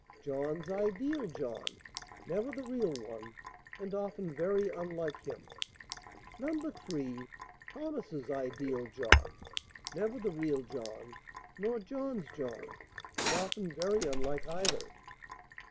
John's ideal John; never the real one, and often Three Johns { very unlike him. { 3. Thomas's ideal John; never the real John, nor { John's John, but often very unlike either.